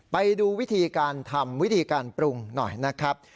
ไปดูวิธีการทำวิธีการปรุงหน่อยนะครับ